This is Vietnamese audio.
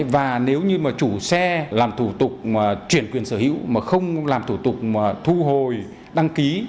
và nếu như mà chủ xe làm thủ tục chuyển quyền sở hữu mà không làm thủ tục thu hồi đăng ký